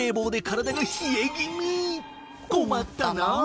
困ったな。